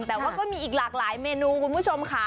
แต่ว่าก็มีอีกหลากหลายเมนูคุณผู้ชมค่ะ